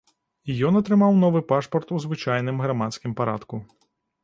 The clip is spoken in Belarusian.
І ён атрымаў новы пашпарт у звычайным грамадскім парадку.